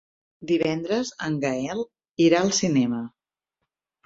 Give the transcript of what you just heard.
Divendres en Gaël irà al cinema.